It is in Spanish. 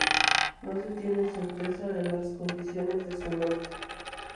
No se tiene certeza de las condiciones de su muerte.